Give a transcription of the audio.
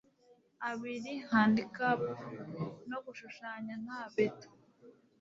abiri Handicap no gushushanya nta beto